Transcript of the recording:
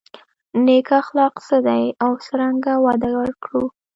نېک اخلاق څه دي او څرنګه وده ورکړو.